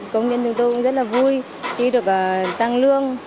công nhân của tôi cũng rất vui khi được tăng lương